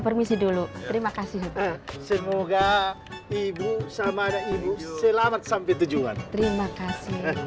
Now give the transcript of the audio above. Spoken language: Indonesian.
permisi dulu terima kasih semoga ibu sama ibu selamat sampai tujuan terima kasih